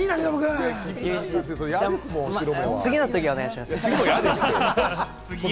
次のとき、お願いします。